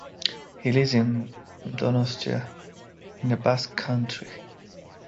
He lives in Donostia in the Basque Country.